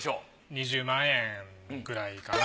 ２０万円くらいかな。